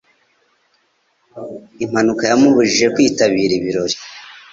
Impanuka yamubujije kwitabira ibirori.